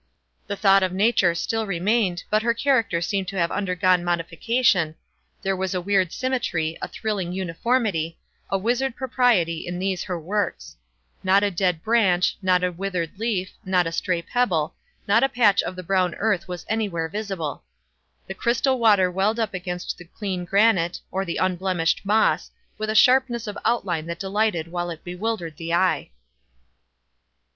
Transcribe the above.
The thought of nature still remained, but her character seemed to have undergone modification, there was a weird symmetry, a thrilling uniformity, a wizard propriety in these her works. Not a dead branch—not a withered leaf—not a stray pebble—not a patch of the brown earth was anywhere visible. The crystal water welled up against the clean granite, or the unblemished moss, with a sharpness of outline that delighted while it bewildered the eye.